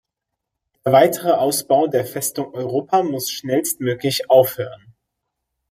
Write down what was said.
Der weitere Ausbau der Festung Europa muss schnellstmöglich aufhören.